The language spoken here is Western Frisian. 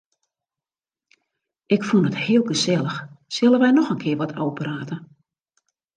Ik fûn it heel gesellich, sille wy noch in kear wat ôfprate?